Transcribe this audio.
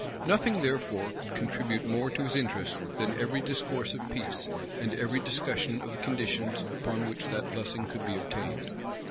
Nothing therefore could contribute more to his interests than every discourse of peace, and every discussion of the conditions upon which that blessing could be obtained.